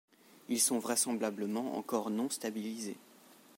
Ils sont vraisemblablement encore non stabilisés.